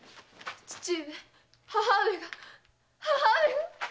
父上母上が母上が！